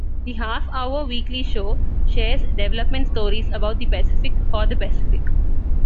The half-hour weekly show shares development stories about the Pacific for the Pacific.